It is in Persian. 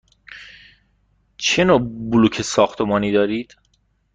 چه نوع بلوک ساختمانی دارید؟